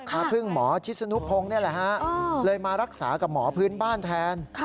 มาพึ่งหมอชิศนุพงศ์เลยมารักษากับหมอพื้นบ้านแทน